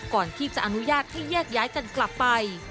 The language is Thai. ก่อนที่จะอนุญาตให้แยกย้ายกันกลับไป